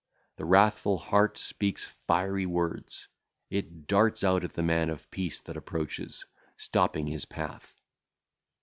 The wrathful heart speaketh fiery words; it darteth out at the man of peace that approacheth, stopping his path.